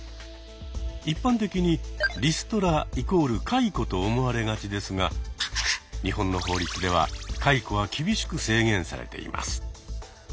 一般的に「リストラ＝解雇」と思われがちですが日本の法律では解雇は厳しく制限されています。